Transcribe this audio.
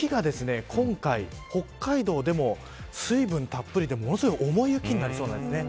雪が今回、北海道でも水分たっぷりで、ものすごい重い雪になりそうなんです。